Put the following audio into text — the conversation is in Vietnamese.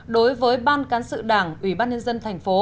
đối với ban cán sự đảng ủy ban nhân dân thành phố